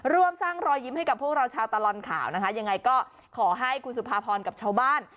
ร่วมสร้างรอยยิ้มให้กับพวกเราชาวตลอดข่าวนะคะยังไงก็ขอให้คุณสุภาพรกับชาวบ้าน